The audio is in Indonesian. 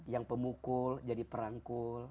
yang pemukul jadi perangkul